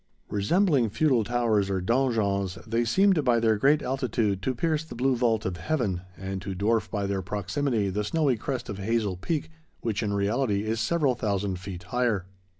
Resembling feudal towers or donjons, they seemed by their great altitude to pierce the blue vault of heaven, and to dwarf by their proximity the snowy crest of Hazel Peak, which, in reality, is several thousand feet higher.